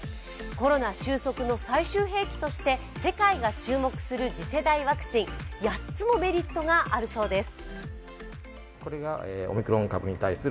コロナ終息の最終兵器として世界が注目する次世代ワクチン、８つのメリットがあるそうです。